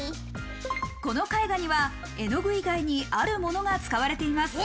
この絵画には絵の具以外にあるものが使われています。